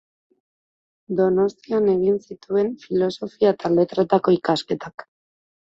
Donostian egin zituen Filosofia eta Letretako ikasketak.